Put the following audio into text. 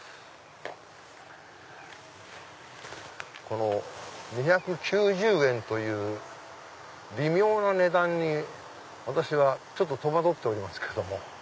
この２９０円という微妙な値段に私はちょっと戸惑っておりますけども。